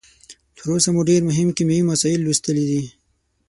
تر اوسه مو ډیر مهم کیمیاوي مسایل لوستلي دي.